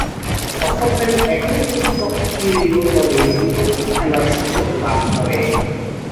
সফরকারী একই প্রতিপক্ষীয় দলের বিপক্ষে খেলার সুযোগ লাভ করেন।